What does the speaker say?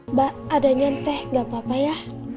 mbak ada nyantai gak apa apa ya